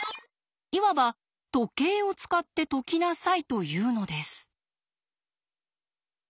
いわば「時計を使って解きなさい」というのです。